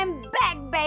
i'm back baby